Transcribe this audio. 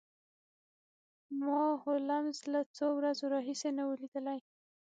ما هولمز له څو ورځو راهیسې نه و لیدلی